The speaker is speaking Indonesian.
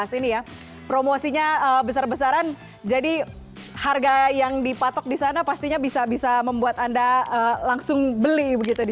karena promosinya besar besaran jadi harga yang dipatok di sana pastinya bisa bisa membuat anda langsung beli